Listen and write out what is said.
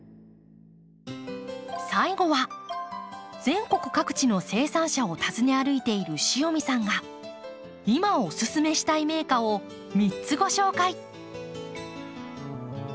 最後は全国各地の生産者を訪ね歩いている塩見さんが今お勧めしたい名花を３つご紹介。